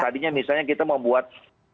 tadinya misalnya kita membuat